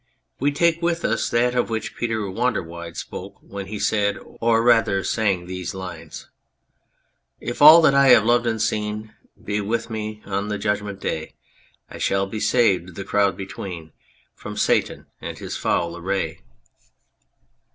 We take with us that of which Peter Wanderwide spoke when he said or rather sang these lines If all that I have loved and seen Be with me on the Judgment Day, I shall be saved the crowd between From Satan and his foul array.